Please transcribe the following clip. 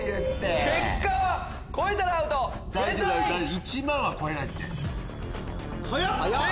１万は超えないって。